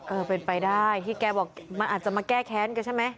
เออเป็นไปได้ที่แกบอกมันอาจจะมาแก้แค้นกันใช่ไหม